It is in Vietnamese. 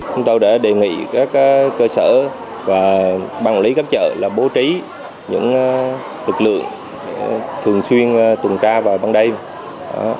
chúng tôi đã đề nghị các cơ sở và bàn quản lý gấp chợ là bố trí những lực lượng thường xuyên tuần tra vào ban đêm